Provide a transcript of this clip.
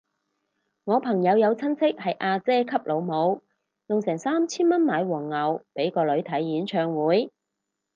我朋友有親戚係阿姐級老母，用成三千蚊買黃牛俾個女睇演唱會